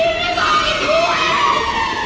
ngarasimu juga psychopath